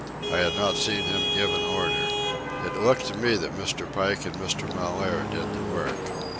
I had not seen him give an order. It looked to me that Mr. Pike and Mr. Mellaire did the work.